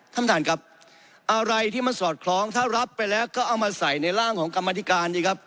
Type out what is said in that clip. ทำทานกับอะไรที่มันสอดคล้องถ้ารับไปแล้วก็เอามาใส่ในร่างของกรรมธิการ